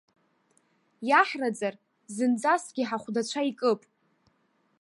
Иаҳраӡар, зынӡаскгьы ҳахәдацәа икып!